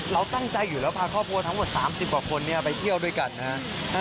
เราตั้งใจอยู่แล้วพาครอบครัวทั้งหมด๓๐กว่าคนไปเที่ยวด้วยกันนะครับ